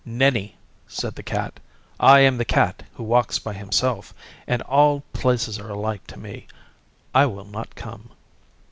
'Nenni!' said the Cat. 'I am the Cat who walks by himself, and all places are alike to me. I will not come.